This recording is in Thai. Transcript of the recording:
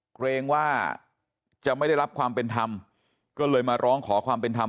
เกรงว่าจะไม่ได้รับความเป็นธรรมก็เลยมาร้องขอความเป็นธรรม